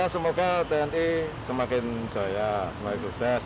semoga tni semakin jaya semakin sukses